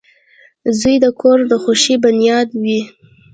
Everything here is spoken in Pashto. • زوی د کور د خوښۍ بنیاد وي.